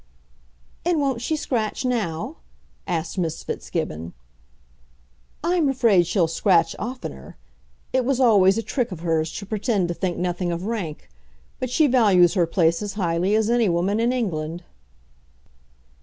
"And won't she scratch now?" asked Miss Fitzgibbon. "I'm afraid she'll scratch oftener. It was always a trick of hers to pretend to think nothing of rank; but she values her place as highly as any woman in England."